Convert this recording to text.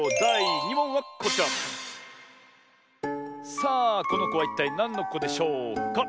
さあこのこはいったいなんのこでしょうか？